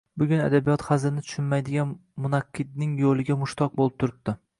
Bugun adabiyot hazilni tushunmaydigan munaqqidning yo‘liga mushtoq bo‘lib turibdi